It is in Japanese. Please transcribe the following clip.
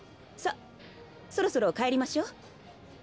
さっそろそろ帰りましょう。